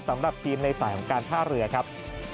สำหรับทีมในสายของการท่าเรือครับ